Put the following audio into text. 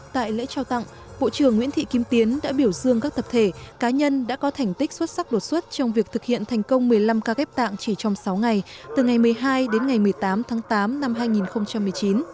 tại lễ trao tặng bộ trưởng nguyễn thị kim tiến đã biểu dương các tập thể cá nhân đã có thành tích xuất sắc đột xuất trong việc thực hiện thành công một mươi năm ca ghép tạng chỉ trong sáu ngày từ ngày một mươi hai đến ngày một mươi tám tháng tám năm hai nghìn một mươi chín